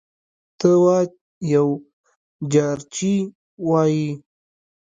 ته وا یو جارچي وايي: